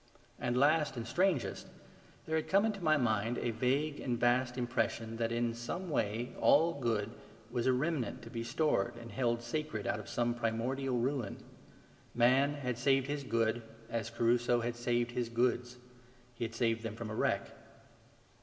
And last, and strangest, there had come into my mind a vague and vast impression that in some way all good was a remnant to be stored and held sacred out of some primordial ruin. Man had saved his good as Crusoe saved his goods: he had saved them from a wreck.